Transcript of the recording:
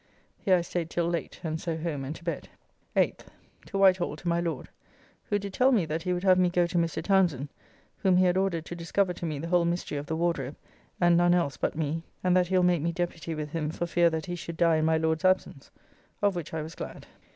Here I staid till late, and so home and to bed. 8th. To Whitehall to my Lord, who did tell me that he would have me go to Mr. Townsend, whom he had ordered to discover to me the whole mystery of the Wardrobe, and none else but me, and that he will make me deputy with him for fear that he should die in my Lord's absence, of which I was glad.